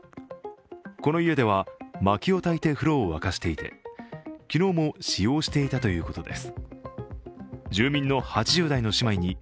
この家では薪を焚いて風呂を沸かしていて、昨日も使用していたということです。